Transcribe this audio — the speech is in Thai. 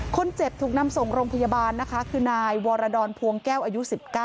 คนเจ็บถูกนำส่งโรงพยาบาลนะคะคือนายวรดรพวงแก้วอายุ๑๙